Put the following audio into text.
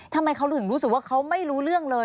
ทำไมเขาถึงรู้สึกว่าเขาไม่รู้เรื่องเลย